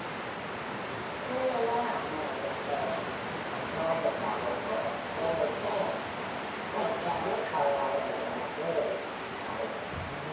犯人は、もうずっと斜め下方向を向いて、一回も顔を上げることなく歩いてた。